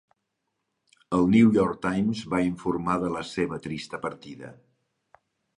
El 'New York Times' va informar de la seva trista partida.